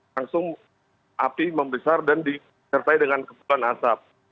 langsung api membesar dan disertai dengan kepulan asap